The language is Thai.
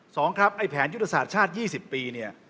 สองครับไอแผนอยุตสาธิจชาติ๒๐ปีเนี่ย